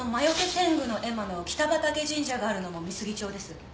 天狗の絵馬の北畠神社があるのも美杉町です。